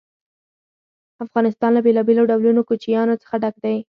افغانستان له بېلابېلو ډولونو کوچیانو څخه ډک دی.